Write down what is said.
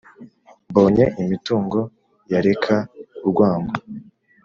Mbonye imitungo yareka urwango